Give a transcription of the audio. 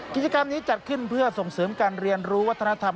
กิจกรรมนี้จัดขึ้นเพื่อส่งเสริมการเรียนรู้วัฒนธรรม